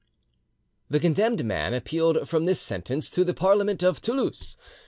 The condemned man appealed from this sentence to the Parliament of Toulouse.